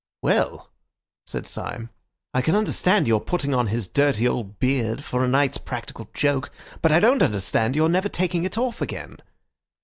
"Well," said Syme, "I can understand your putting on his dirty old beard for a night's practical joke, but I don't understand your never taking it off again."